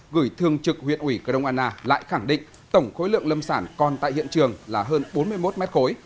gửi thương trực huyện ủy cờ rông anna lại khẳng định tổng khối lượng lâm sản còn tại hiện trường là hơn bốn mươi một m khối